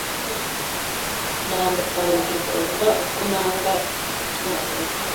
Nanga karoti kuruta uko nanga igitunguru.